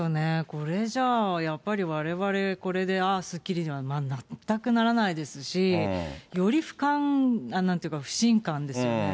これじゃあ、やっぱりわれわれ、これで、ああ、すっきりには全くならないですし、より不信感ですよね。